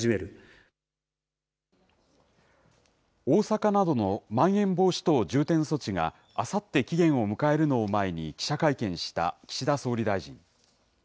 大阪などのまん延防止等重点措置があさって期限を迎えるのを前に、記者会見した岸田総理大臣。